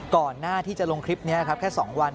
ก่อนหน้าที่จะลงคลิปนี้ครับแค่๒วัน